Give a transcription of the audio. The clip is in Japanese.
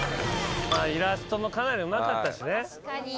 イラストもかなりうまかったしね。